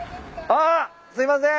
あっすいません。